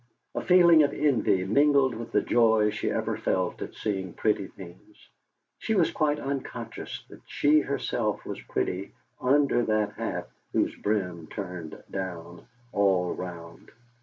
A feeling of envy mingled with the joy she ever felt at seeing pretty things; she was quite unconscious that she herself was pretty under that hat whose brim turned down all round.